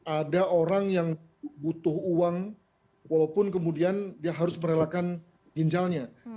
ada orang yang butuh uang walaupun kemudian dia harus merelakan ginjalnya